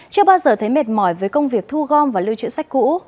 chưa bao giờ thấy mệt mỏi với công việc thu gom và lưu trữ sách cũ